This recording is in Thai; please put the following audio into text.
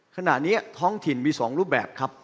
ขณะนี้ท้องถิ่นมี๒รูปแบบครับ